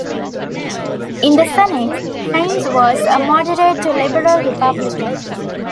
In the Senate, Heinz was a moderate-to-liberal Republican.